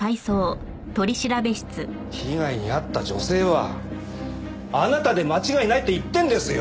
被害に遭った女性はあなたで間違いないって言ってるんですよ。